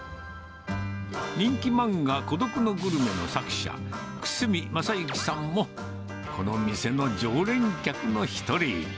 人気漫画、孤独のグルメの作者、久住昌之さんもこの店の常連客の一人。